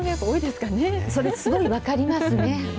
それ、すごい分かりますね。